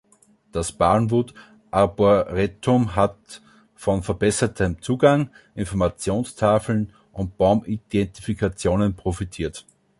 Das Barnwood Arboretum hat von verbessertem Zugang, Informationstafeln und Baumidentifikationen profitiert.